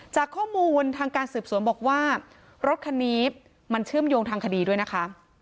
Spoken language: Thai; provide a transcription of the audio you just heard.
จากข้อมูลทางการสืบสวนบอกว่ารถคันนี้มันเชื่อมโยงทางคดีด้วยนะคะ